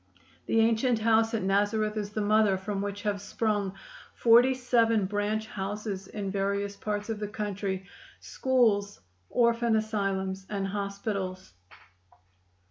The ancient house at Nazareth is the mother from which have sprung forty seven branch houses in various parts of the country schools, orphan asylums and hospitals.